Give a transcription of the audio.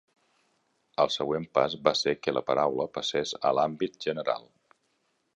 El següent pas va ser que la paraula passés a l'àmbit general.